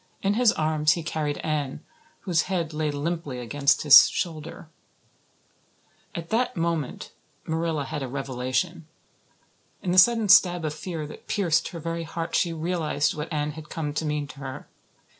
In his arms he carried Anne, whose head lay limply against his shoulder. At that moment Marilla had a revelation. In the sudden stab of fear that pierced her very heart she realized what Anne had come to mean to her.